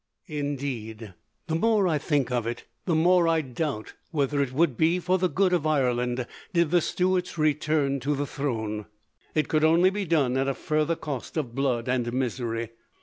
Indeed, the more I think of it, the more I doubt whether it would be for the good of Ireland did the Stuarts return to the throne. It could only be done at a further cost of blood and misery.